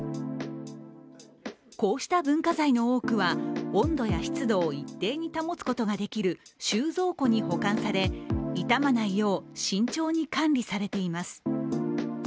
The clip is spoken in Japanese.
こうした文化財の多くは、温度や湿度を一定に保つことができる収蔵庫に保管され、傷まないよう慎重に管理されています。